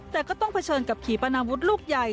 แต่ก็ต้องเผชิญกับขีปนาวุฒิลูกใหญ่